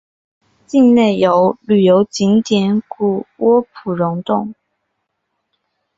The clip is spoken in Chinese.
境内有旅游景点谷窝普熔洞。